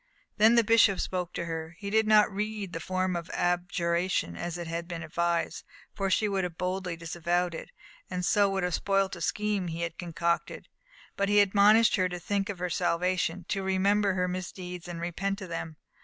Then the bishop spoke to her. He did not read the form of abjuration, as had been advised, for she would have boldly disavowed it, and would so have spoilt a scheme he had concocted. But he admonished her to think of her salvation, to remember her misdeeds, and repent of them.